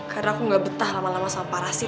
karena aku gak betah lama lama sama pak rasif